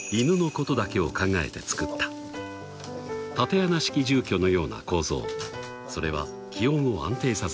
［竪穴式住居のような構造それは気温を安定させるため］